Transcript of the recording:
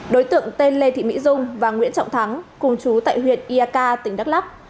đối tượng tên lê thị mỹ dung và nguyễn trọng thắng cùng chú tại huyện iaka tỉnh đắk lắk